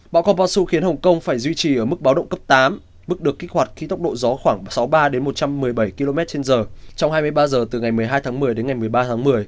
bão kom posu khiến hồng kông phải duy trì ở mức báo động cấp tám mức được kích hoạt khi tốc độ gió khoảng sáu mươi ba một trăm một mươi bảy km trên giờ trong hai mươi ba h từ ngày một mươi hai tháng một mươi đến ngày một mươi ba tháng một mươi